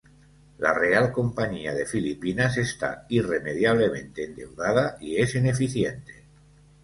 La Real Compañía de Filipinas está irremediablemente endeudada y es ineficiente.